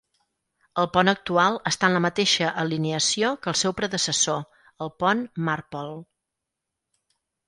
El pont actual està en la mateixa alineació que el seu predecessor, el pont Marpole.